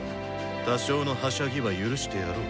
多少のはしゃぎは許してやろう。